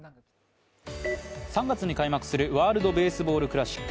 ３月に開幕するワールドベースボールクラシック。